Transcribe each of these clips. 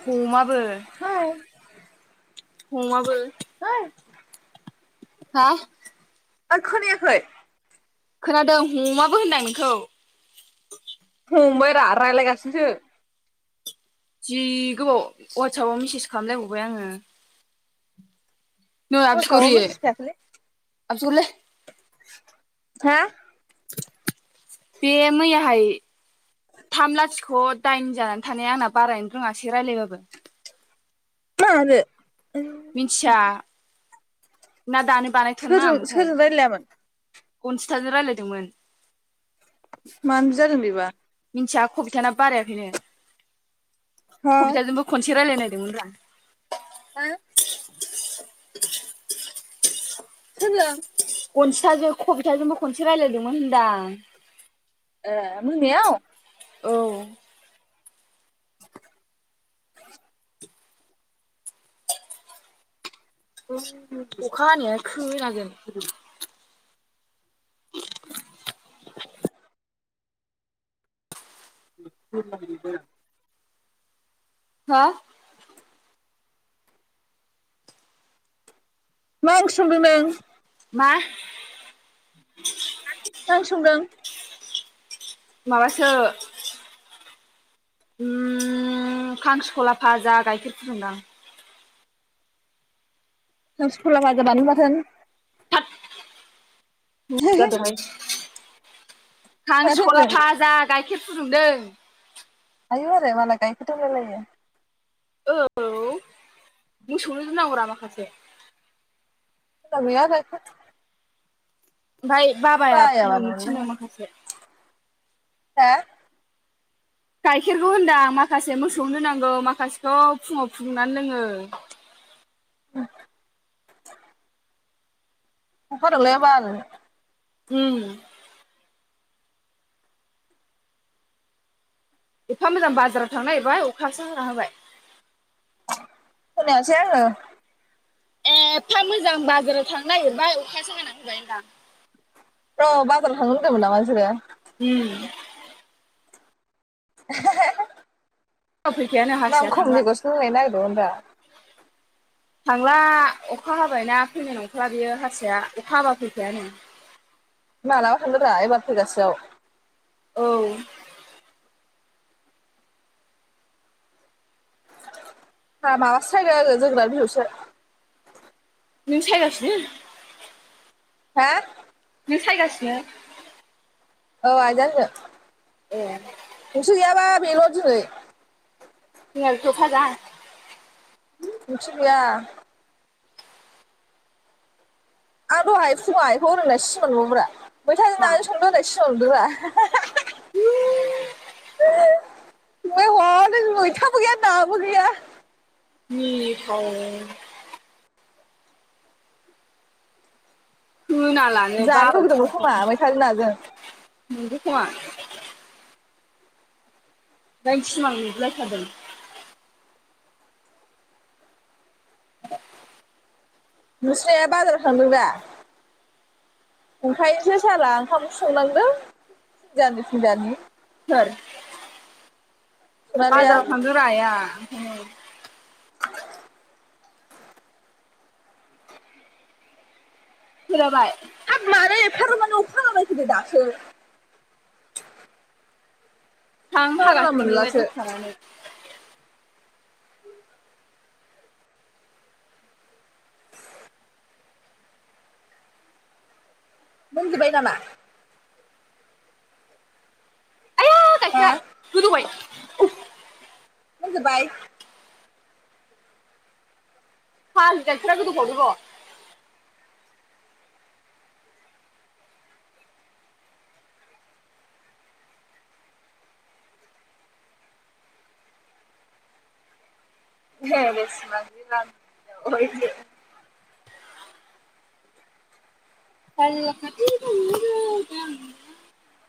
हमाबो ओइ हमाबो है। हा आर खोनायाखै? खोनादों हमाबो होनदां नोंखौ। हमबाय रा रायलायगासिनोसो। जि गोबाव। वाट्सापाव मेसेज खालाम लायबावबाय आङो। ओ वाटसाबाव आबसिगुरि मेसेज फैयाखैलै आबसिगुरिलै हा। बे मैयाहाय थाम लाथिख' दाइन जानानै थानाया आंना बा मा आरो? मिन्थिया। ना दानो बानायथ'नो सोरजों नाङामोनथाय? सोरजों रायलायामोन गनसिथाजों रायलायदोंमोन। मानो बिदि जादों बेबा। मिन्थिया खबिथानाबो बारायाखैनो। हा कबिथाजोंबो खनसे रायलायनायदोंमोन रा। हो सोरजों? गनजिताजों कबिथाजोंबो खनसे रायलायदोंमोन होनदां। ओ मोनायाव? औ। ओं‌ अखा हानाया खोनागोन। [unintelligible] हो। मा ओंख्रि संदों नों? मा? [inaudible] मा ओंख्रिसंदों माबासो उम खांख्रिखला फाजा गाइखेर फुदुंदां खांख्रिखला भाजा बानलु बाथोन थ दबायाय [unintelligible] [unintelligible] माथो खांख्रिखला होनदों भाजा गाय खे फुदुंदों आयौ आरो मालाय गायखेर दंलायालायो औ मोसौनो दोननांगौरा माखासे थद आस [unintelligible] ओमफाय बाबाया मानो बुंदुंनो मोनलाय थिनो माखासे हा गाइखेरखौ होनदां माखासे मोसौनो नांगौ माखासेखौ फुङाव फुुंदुंनानै लोङो। [unintelligible] उम एफा मोजां बाजाराव थांनागिरबाय अखासो हाना होबाय। खोनायासै आङो। ए एफा मोजां बाजाराव थांनो नागिरबाय अखासो होनानै होबाय होनदां। अ बाजाराव थांनो होन्दोंमोन नामा नोंसोरो? उम [unintelligible] फुङाव फैखायानो दाम हारसाया थांला खमनि गस्लालायनो नागिरदोंमोन दा। थांला अखा हाबायना फैनाय नंखाला बियो हारसाया अखा हाबा फैखायानो। मालाबा थांदोरा एबार फैगासेयाव। औ हा माबासो सायदों आं जोगोनार बिजौसो। नों सायगासिनो? हा? नों सायगासिनो? औ आइजों आंजों। ए नोंसो गैयाबा बेल' दिनै। [unintelligible] नोंसो गैया आं दहाय फुङाव आयखौ ओरैहोन्नाय सिमां नुबायब्रा। मैथाजों नाजों संदो होननाय सिमां नुदों ब्रा। बि म हनै मैथाबो गैया नाबो गैया। मिनिथाव खोनालानो जानो बाबायसो लुगैदोंमोन खोमा मैथाजों नाजों। नोंगौ खोमा जाय सिमां नुगुलायथारदों। नोंस्रा आइया बाजाराव थांदों दा? ओंखायनोसो साला ओंखाम ओंख्रै संनांदों फुंन्जानि फुंन्जानि। सोर? सनालिया बाजाराव थांदों रा आइया ओंखायनो। फोजाबाय हाब मारै एफाराबमानि अखा हाबायखो दे दासो। थां जानला हागासिगोनबो बे मोनलासो दसे थानानै मोनजोबबाय नामा? आइया हा? गाइखेरा गोदौबाय मोनजोबबाय? फाग्लि गाइखेरा गोदौफावदों र' [unintelligible] [unintelligible]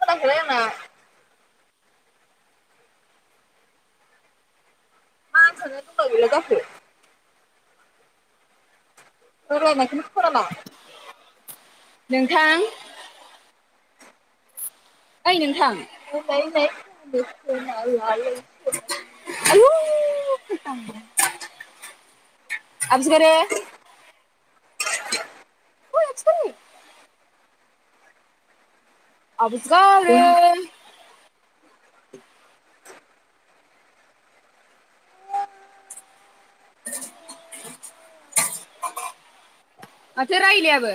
खोनायाखैलै आंना [unintelligible] [unintelligible] नोंथां ओइ नोंथां [unintelligible] आयुु [unintelligible] [unintelligible] आबसखा [inaudible] [inaudible] माथो रायलायाबो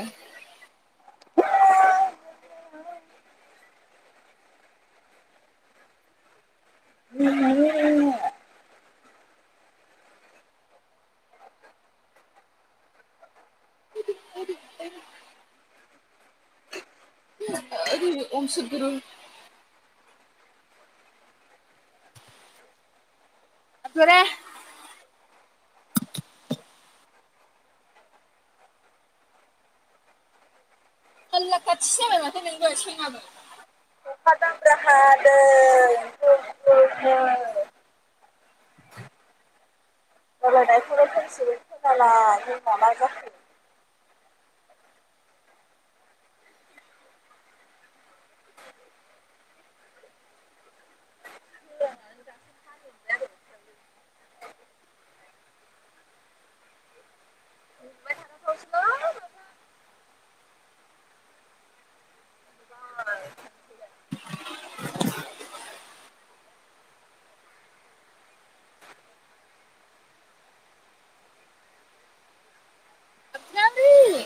[unintelligible] [unintelligible] [unintelligible] अखा दामब्रा हादों जुब जुबनो [unintelligible] आबगारि